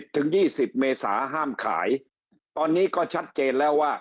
ถึง๒๐เมษาห้ามขายตอนนี้ก็ชัดเจนแล้วว่า